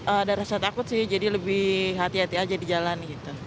ada rasa takut sih jadi lebih hati hati aja di jalan gitu